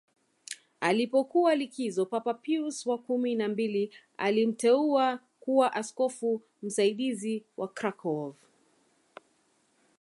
Alipokuwa likizo Papa Pius wa kumi na mbili alimteua kuwa askofu msaidizi wa Krakow